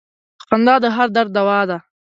• خندا د هر درد دوا ده.